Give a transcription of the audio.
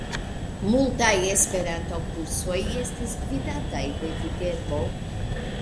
Multaj esperanto-kursoj estis gvidataj de Viterbo.